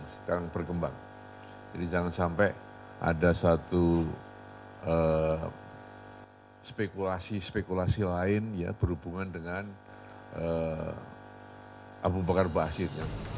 sekarang berkembang jadi jangan sampai ada satu spekulasi spekulasi lain ya berhubungan dengan abu bakar basir